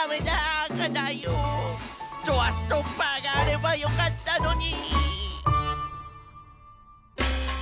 ドアストッパーがあればよかったのに。